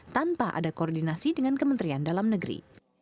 tanpa ada koordinasi dengan kementerian dalam negeri